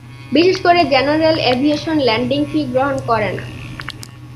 বিশেষ করে general aviation landing fee গ্রহণ করে না।